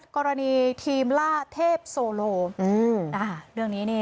กรณีทีมล่าเทพโซโลอืมนะคะเรื่องนี้นี่